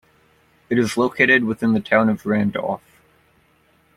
It is located within the town of Randolph.